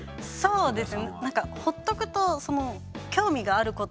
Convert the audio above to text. そうです。